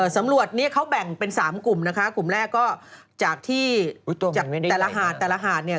สำรวจเนี่ยเขาแบ่งเป็น๓กลุ่มนะคะกลุ่มแรกก็จากที่จากแต่ละหาดแต่ละหาดเนี่ย